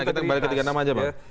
kita kembali ke tiga nama aja bang